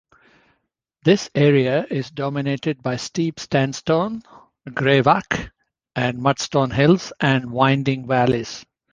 This area is dominated by steep sandstone, greywacke and mudstone hills and winding valleys.